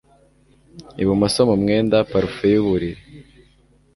ibumoso mu mwenda, parufe yuburiri